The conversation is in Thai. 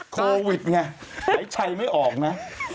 โควิดไงไหลไชไม่ออกนะ